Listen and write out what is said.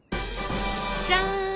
じゃん！